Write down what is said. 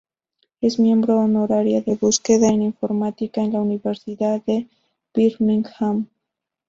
Es miembro honoraria de búsqueda en informática en la Universidad de Birmingham.